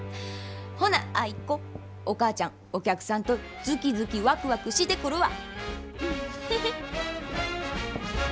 ほなアイ子お母ちゃんお客さんとズキズキワクワクしてくるわ。